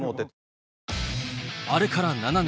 あれから７年。